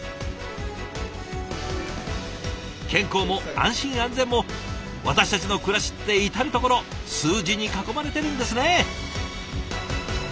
健康も安心安全も私たちの暮らしって至る所数字に囲まれてるんですね。